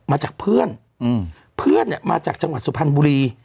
มาจากเพื่อนเพื่อนเนี่ยมาจากจังหวัดสุพรรณบุรี